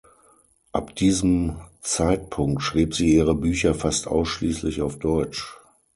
Ab diesem Zeitpunkt schrieb sie ihre Bücher fast ausschließlich auf Deutsch.